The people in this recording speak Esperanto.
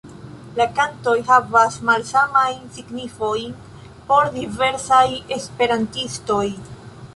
La kantoj havas malsamajn signifojn por diversaj esperantistoj.